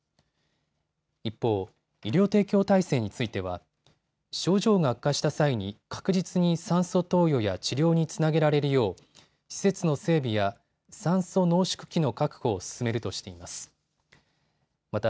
一方、医療提供体制については症状が悪化した際に確実に酸素投与や治療につなげられるよう施設の整備や酸素濃縮機の確保を進めるとしています。